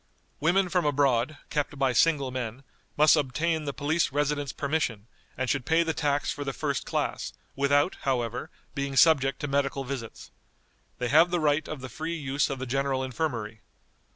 Women from abroad, kept by single men, must obtain the police residence permission, and should pay the tax for the first class, without, however, being subject to medical visits. They have the right of the free use of the General Infirmary.